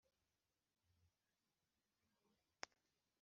sinzi uko nzabigenza ngo arekere kwitwara kuriya